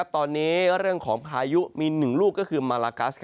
ตอนนี้เรื่องของพายุมี๑ลูกก็คือมาลากัส